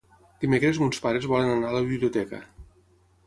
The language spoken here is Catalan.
Dimecres mons pares volen anar a la biblioteca.